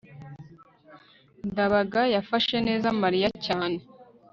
ndabaga yafashe neza mariya cyane